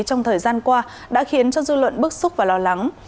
trong thời gian qua đã khiến cho dư luận bức xúc và lo lắng